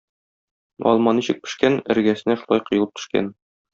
Алма ничек пешкән - эргәсенә шулай коелып төшкән.